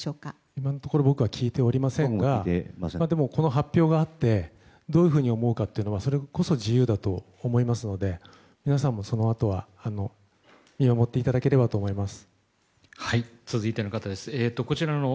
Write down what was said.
今のところ僕は聞いてませんがこの発表があってどういうふうに思うかというのは自由だと思いますので皆さんもそのあとは見守っていただければと思います。